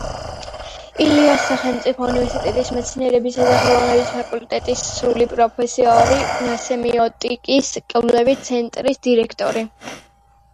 ილიას სახელმწიფო უნივერსიტეტის მეცნიერებისა და ხელოვნების ფაკულტეტის სრული პროფესორი, სემიოტიკის კვლევითი ცენტრის დირექტორი.